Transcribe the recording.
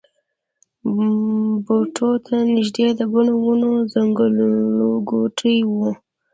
بوټو ته نږدې د ګڼو ونو ځنګلګوټی و.